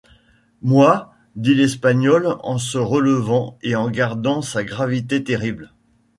Moi, dit l’Espagnol en se relevant et en gardant sa gravité terrible.